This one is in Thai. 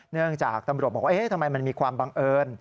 เนื่องจากตำรวจบอกว่าทำไมมันมีความบังเอิญ